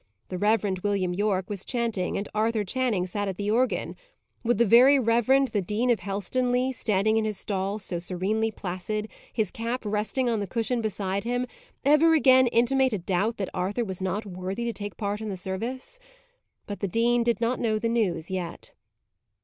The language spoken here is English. The Reverend William Yorke was chanting, and Arthur Channing sat at the organ. Would the Very Reverend the Dean of Helstonleigh, standing in his stall so serenely placid, his cap resting on the cushion beside him, ever again intimate a doubt that Arthur was not worthy to take part in the service? But the dean did not know the news yet.